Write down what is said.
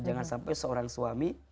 jangan sampai seorang suami